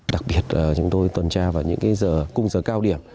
đặc biệt là chúng tôi tuần tra vào những giờ cung giờ cao điểm